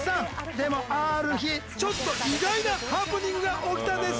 でもある日ちょっと意外なハプニングが起きたんです。